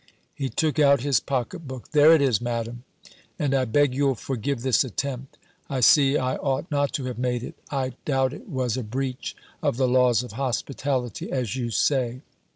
He took out his pocket book: "There it is, Madam! And I beg you'll forgive this attempt: I see I ought not to have made it. I doubt it was a breach of the laws of hospitality, as you say.